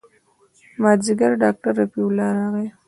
مازديګر ډاکتر رفيع الله راغى.